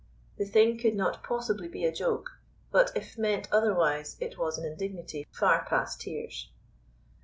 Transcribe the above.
The thing could not possibly be a joke, but if meant otherwise, it was an indignity far past tears.